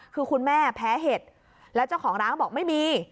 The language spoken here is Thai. คือคุณแม่แพ้เห็ดแล้วเจ้าของร้านก็บอกไม่มี